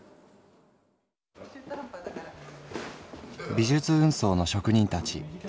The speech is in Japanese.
「美術運送の職人たち三名。